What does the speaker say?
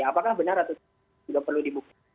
apakah benar satu ratus tiga puluh ribu